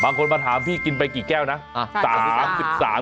มาถามพี่กินไปกี่แก้วนะ